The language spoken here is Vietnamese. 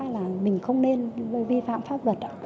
là mình không nên vi phạm pháp luật